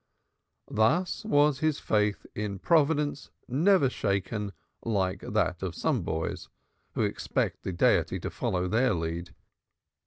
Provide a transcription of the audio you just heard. Thus was his faith in Providence never shaken like that of some boys, who expect the Deity to follow their lead.